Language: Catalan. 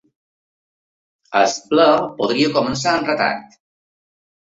El ple podria començar amb retard.